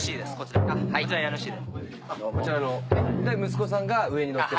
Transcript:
息子さんが上に乗って？